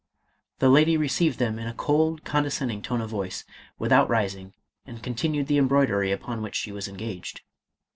The lady received them in a cold condescending tone of voice, without rising, and continued the embroidery upon which she was engaged.